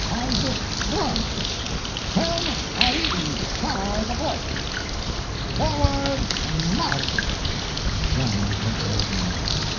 Eyes front! Helm alee hard aport! Forward march!" and the drums let go again.